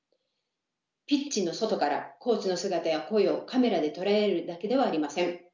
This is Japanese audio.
ピッチの外からコーチの姿や声をカメラで捉えるだけではありません。